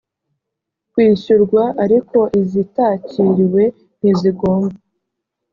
kwishyurwa ariko izitakiriwe ntizigomba